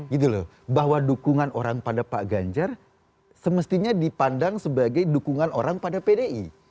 gitu loh bahwa dukungan orang pada pak ganjar semestinya dipandang sebagai dukungan orang pada pdi